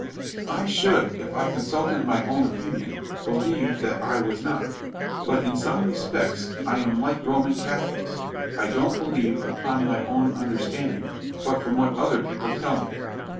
"I should, if I consulted my own opinion, believe that I was not; but in some respects I am like Roman Catholics; I don't believe upon my own understanding, but from what other people tell me."